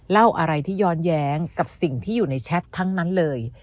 เล่าอะไรที่ย้อนแย้งกับสิ่งที่อยู่ในแชททั้งนั้นเลย